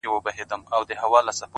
ده ناروا ـ